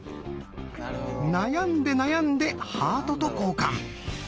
悩んで悩んでハートと交換。